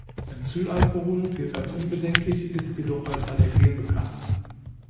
Benzylalkohol gilt als unbedenklich, ist jedoch als Allergen bekannt.